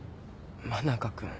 真中君。